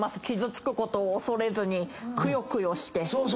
傷つくことを恐れずにくよくよして。